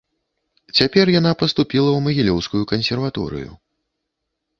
Цяпер яна паступіла ў магілёўскую кансерваторыю.